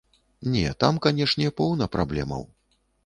Не, там, канешне, поўна праблемаў.